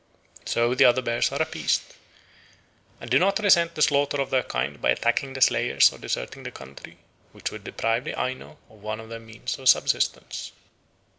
So the other bears are appeased, and do not resent the slaughter of their kind by attacking the slayers or deserting the country, which would deprive the Aino of one of their means of subsistence.